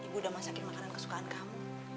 ibu udah masakin makanan kesukaan kamu